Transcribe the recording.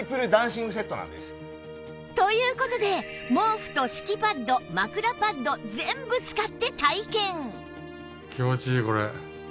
という事で毛布と敷きパッド枕パッド全部使って体験